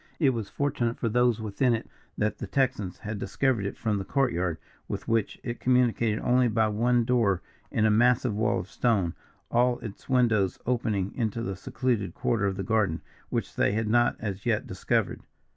It was fortunate for those within it that the Texans had discovered it from the court yard, with which it communicated only by one door in a massive wall of stone all its windows opening into the secluded quarter of the garden, which they had not as yet discovered.